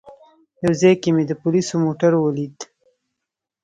یو ځای کې مې د پولیسو موټر ولید.